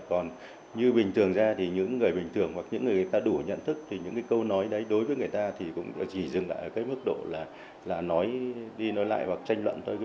còn như bình thường ra thì những người bình thường hoặc những người ta đủ nhận thức thì những cái câu nói đấy đối với người ta thì cũng chỉ dừng lại ở cái mức độ là nói đi nói lại hoặc tranh luận thôi